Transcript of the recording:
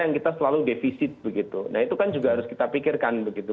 yang kita selalu defisit begitu nah itu kan juga harus kita pikirkan begitu